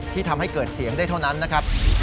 ทำให้เกิดเสียงได้เท่านั้นนะครับ